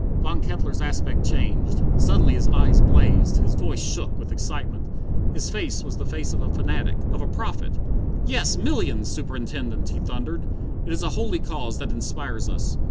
Von Kettler's aspect changed. Suddenly his eyes blazed, his voice shook with excitement, his face was the face of a fanatic, of a prophet. "Yes, millions, Superintendent," he thundered. "It it a holy cause that inspires us.